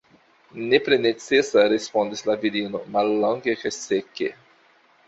Nepre necesa, respondis la virino mallonge kaj seke.